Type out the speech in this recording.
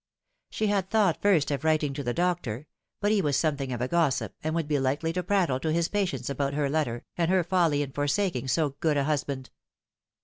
She had thought first of writing to the doctor, but he was something of a gossip, and would be likely to prattle to his patients about her letter, and her folly in forsaking so good a husband.